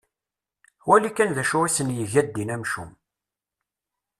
Wali kan d acu isen-yegga ddin amcum.